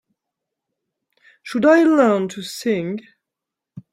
Should I learn to sing?